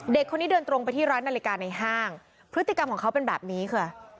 เด็กคนนี้เดินตรงไปที่ร้านนาฬิกาในห้างพฤติกรรมของเขาเป็นแบบนี้ค่ะ